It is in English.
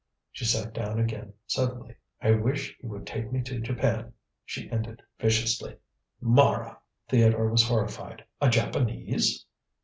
She sat down again suddenly. "I wish he would take me to Japan," she ended viciously. "Mara!" Theodore was horrified; "a Japanese?"